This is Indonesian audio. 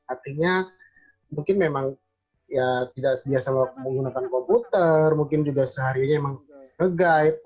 artinya mungkin memang ya tidak biasa menggunakan komputer mungkin juga seharinya memang nge guide